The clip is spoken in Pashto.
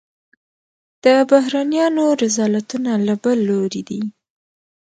د بهرنیانو رذالتونه له بل لوري دي.